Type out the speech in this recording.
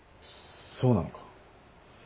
そうなのか？